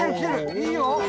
いいよ。